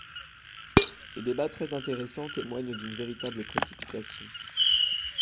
Ce débat très intéressant témoigne d’une véritable précipitation.